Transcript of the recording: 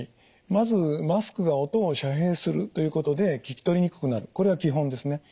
まずマスクが音を遮蔽するということで聞き取りにくくなるこれは基本ですね。